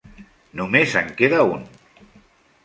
Només en queda un.